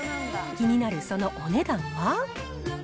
気になるそのお値段は。